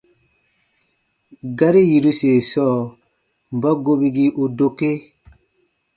Gari yiruse sɔɔ: mba gobigii u dokee?